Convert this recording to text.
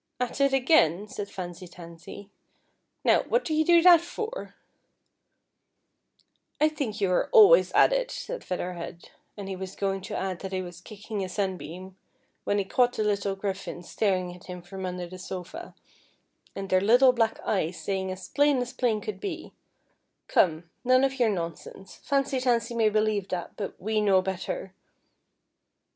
"At it again," said Fancy Tansy; "now, what do you do that for }"" I think you are always at it," said Feather Head, and he was going to add that he was kicking a sun beam, when he caught the little griffins staring at him FEATHER HEAD. 227 from under the sofa, and their Httlc black ejxs sa\ in;^ as plain as plain could be :" Come, none of your !ionsense, Fancy Tansy may believe that, but we know better."